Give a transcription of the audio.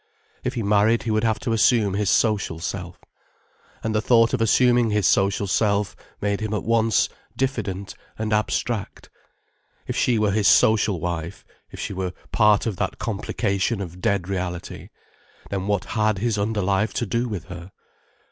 If he married he would have to assume his social self. And the thought of assuming his social self made him at once diffident and abstract. If she were his social wife, if she were part of that complication of dead reality, then what had his under life to do with her?